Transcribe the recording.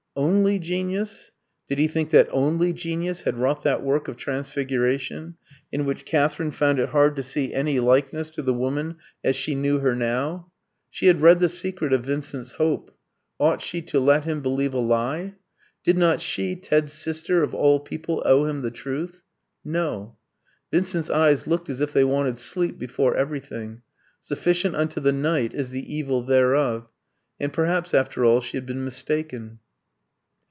Only genius? Did he think that only genius had wrought that work of transfiguration, in which Katherine found it hard to see any likeness to the woman as she knew her now? She had read the secret of Vincent's hope. Ought she to let him believe a lie? Did not she, Ted's sister, of all people owe him the truth? No. Vincent's eyes looked as if they wanted sleep before everything. Sufficient unto the night is the evil thereof. And perhaps, after all, she had been mistaken.